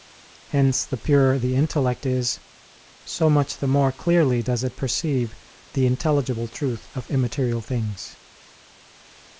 Hence the purer the intellect is, so much the more clearly does it perceive the intelligible truth of immaterial things.